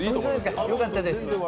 よかったです。